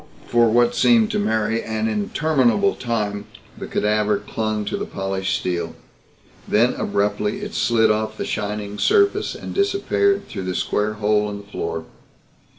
For what seemed to Mary an interminable time, the cadaver clung to the polished steel. Then abruptly it slid off the shining surface and disappeared through the square hole in the floor.